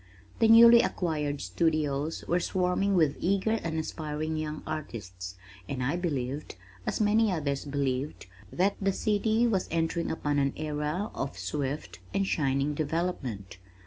The newly acquired studios were swarming with eager and aspiring young artists, and I believed, (as many others believed) that the city was entering upon an era of swift and shining development.